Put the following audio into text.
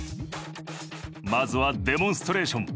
まずはデモンストレーション。